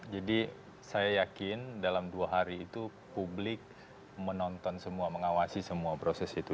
jadi saya yakin dalam dua hari itu publik menonton semua mengawasi semua proses itu